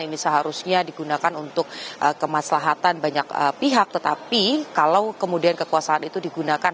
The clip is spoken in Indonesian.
ini seharusnya digunakan untuk kemaslahatan banyak pihak tetapi kalau kemudian kekuasaan itu digunakan